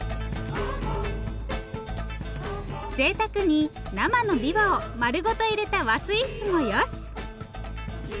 ぜいたくに生のびわを丸ごと入れた和スイーツもよし。